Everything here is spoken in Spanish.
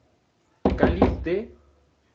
Cáliz de.